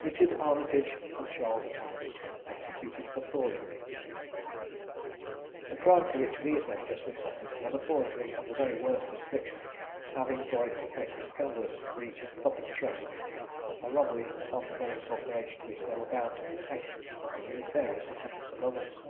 RICHARD ARMITAGE AND CHARLES THOMAS. EXECUTED FOR FORGERY. The crime for which these men justly suffered was a forgery of the very worst description, having for its effect a scandalous breach of public trust a robbery upon the very corporation which they were bound to protect from the nefarious attempts of others.